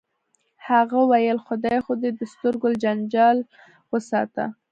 هغه ویل خدای خو دې د سترګو له جنجاله وساته